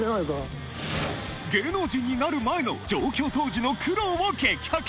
芸能人になる前の上京当時の苦労を激白！